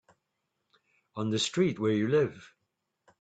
On the street where you live.